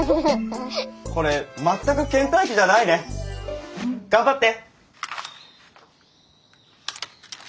これ全くけん怠期じゃないね。頑張って！